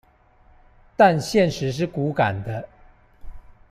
但現實是骨感的